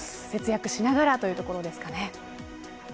節約しながらというところですかね。